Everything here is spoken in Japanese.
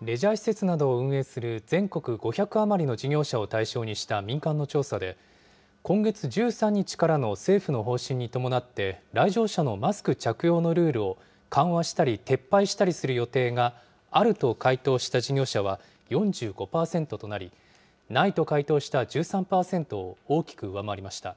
レジャー施設などを運営する、全国５００余りの事業者を対象にした民間の調査で、今月１３日からの政府の方針に伴って、来場者のマスク着用のルールを緩和したり、撤廃したりする予定があると回答した事業者は４５％となり、ないと回答した１３％を大きく上回りました。